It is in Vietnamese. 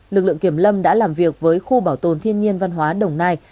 lực lượng kiểm lâm đã làm việc với khu bảo tồn thiên nhiên văn hóa đồng nai